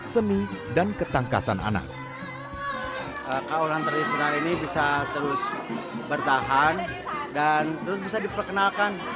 seni dan ketangkasan anak kaulan tradisional ini bisa terus bertahan dan terus bisa diperkenalkan